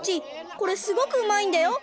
これすごくうまいんだよ。